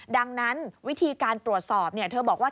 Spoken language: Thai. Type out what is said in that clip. ดังนั้นวิธีการตรวจสอบเธอบอกว่า